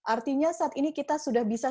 artinya saat ini kita sudah bisa